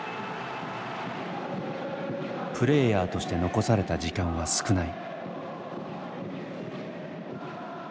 「プレーヤーとして残された時間は少ない」。